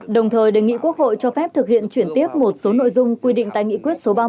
đồng thời đề nghị quốc hội cho phép thực hiện chuyển tiếp một số nội dung quy định tại nghị quyết số ba mươi